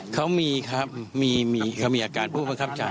เขามีครับมีเขามีอาการผู้บังคับจา